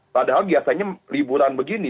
padahal biasanya liburan begini